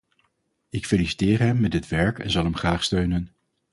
Ik feliciteer hem met dit werk en zal hem graag steunen.